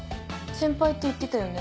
「先輩」って言ってたよね？